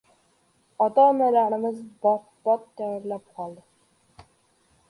Ota-onalarimiz bot-bot tayinlab qoladi: